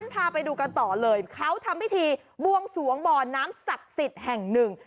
พาไปดูกันต่อเลยเขาทำพิธีบวงสวงบ่อน้ำศักดิ์สิทธิ์แห่งหนึ่ง